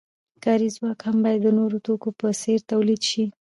کاري ځواک هم باید د نورو توکو په څیر تولید شي.